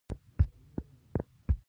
د ټیټې سیمې هوا ګرمې وي.